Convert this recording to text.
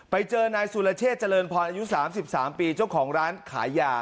ไปเจอนายสุรเชษเจริญพรอายุ๓๓ปีเจ้าของร้านขายยา